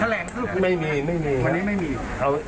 แถลงสรุปอยู่ไหมวันนี้ไม่มีครับไม่มี